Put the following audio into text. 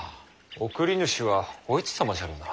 送り主はお市様じゃろうな。